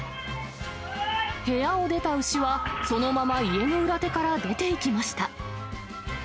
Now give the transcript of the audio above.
部屋を出た牛は、そのまま家の裏手から出ていきました。